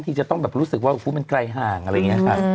ที่จะต้องเรียกรู้สึกว่าพวกมันไกลห่างอะไรเงี้ยฮะ